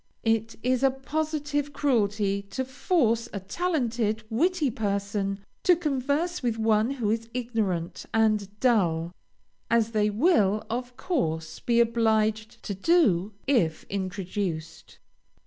It is a positive cruelty to force a talented, witty person, to converse with one who is ignorant and dull, as they will, of course, be obliged to do, if introduced.